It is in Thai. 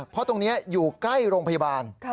เพราะตรงนี้อยู่ใกล้โรงพยาบาล